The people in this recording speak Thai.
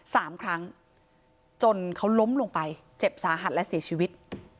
สามครั้งจนเขาล้มลงไปเจ็บสาหัสและเสียชีวิต